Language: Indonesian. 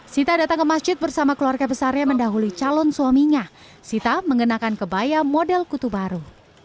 sita datang ke masjid bersama keluarga besarnya mendahului calon suaminya sita mengenakan kebaya model kutu baru